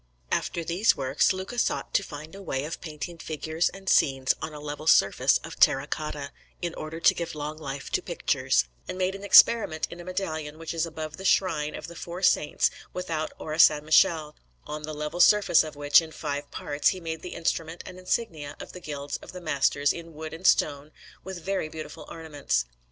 After these works, Luca sought to find a way of painting figures and scenes on a level surface of terra cotta, in order to give long life to pictures, and made an experiment in a medallion which is above the shrine of the four saints without Orsanmichele, on the level surface of which, in five parts, he made the instruments and insignia of the Guilds of the Masters in Wood and Stone, with very beautiful ornaments.